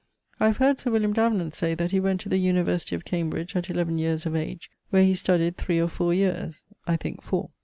I have heard Sir William Davenant say that he went to the university of Cambridge at eleaven yeares of age, where he studied three or four yeares (I thinke, four).